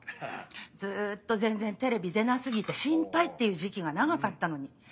ずっと全然テレビ出な過ぎて心配っていう時期が長かったのに。